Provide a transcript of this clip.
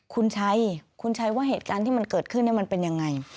คุณชัยคุณชัยว่าเหตุการณ์ที่มันเกิดขึ้นมันเป็นยังไง